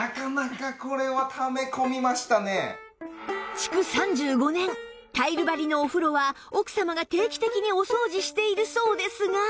築３５年タイル張りのお風呂は奥様が定期的にお掃除しているそうですが